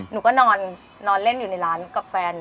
หนูก็นอนเล่นอยู่ในร้านกับแฟน